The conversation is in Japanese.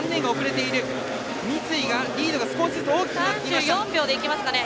三井がリードが少しずつ大きくなってきました。